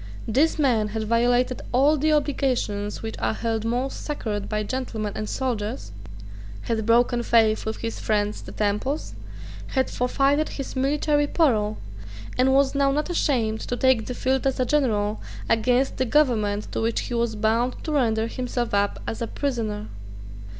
This man had violated all the obligations which are held most sacred by gentlemen and soldiers, had broken faith with his friends the Temples, had forfeited his military parole, and was now not ashamed to take the field as a general against the government to which he was bound to render himself up as a prisoner.